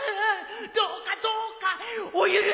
どうかどうかお許しを！